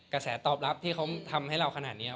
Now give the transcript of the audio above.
กระแสตอบรับที่เขาทำให้เราขนาดนี้